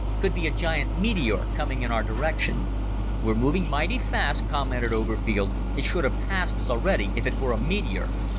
Could be a giant meteor coming in our direction." "We're moving mighty fast," commented Oberfield. "It should have passed us already if it were a meteor.